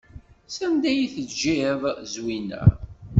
Sanda ad tgiǧǧ Zwina?